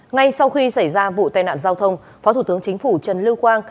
ngay sau khi xảy ra vụ tai nạn giao thông phó thủ tướng chính phủ trần lưu quang